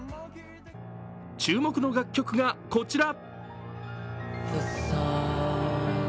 注目の楽曲がこちら。